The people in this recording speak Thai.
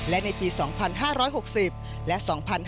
และในปี๒๕๖๐และ๒๕๕๙